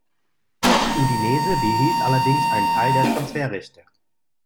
Udinese behielt allerdings einen Teil der Transferrechte.